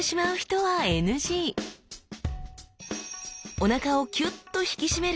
おなかをキュッと引き締める力